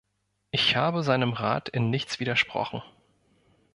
Ich habe seinem Rat in nichts widersprochen.